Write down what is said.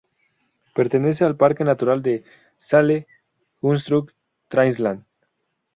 Pertenece al Parque natural de Saale-Unstrut-Triasland.